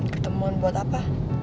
ketemuan buat apa